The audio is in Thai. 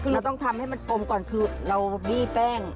เราต้องทำให้มันกลมก่อนคือเราบี้แป้ง